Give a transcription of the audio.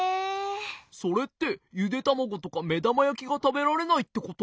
それってゆでたまごとかめだまやきがたべられないってこと？